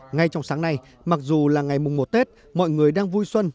ngay trong sáng nay mặc dù là ngày mùng một tết mọi người đang vui xuân